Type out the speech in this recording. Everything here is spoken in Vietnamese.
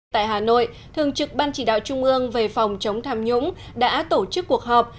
tại hà nội thường trực ban chỉ đạo trung ương về phòng chống tham nhũng đã tổ chức cuộc họp